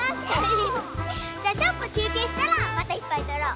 じゃちょっときゅうけいしたらまたいっぱいとろう。